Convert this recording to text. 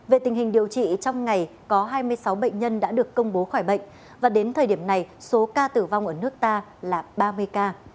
về tình hình điều trị trong ngày có hai mươi sáu bệnh nhân đã được công bố khỏi bệnh và đến thời điểm này số ca tử vong ở nước ta là ba mươi ca